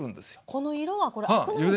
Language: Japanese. この色はこれアクなんですね。